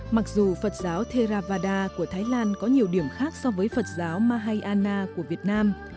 mặc dù phật giáo terravada của thái lan có nhiều điểm khác so với phật giáo mahana của việt nam